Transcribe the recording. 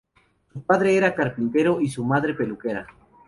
Su padre era carpintero y su madre peluquera.